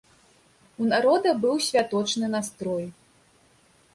У народа быў святочны настрой.